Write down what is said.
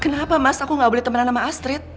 kenapa mas aku nggak boleh temenan sama astrid